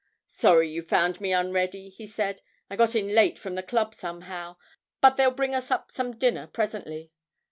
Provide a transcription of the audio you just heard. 'Sorry you found me unready,' he said; 'I got in late from the club somehow, but they'll bring us up some dinner presently.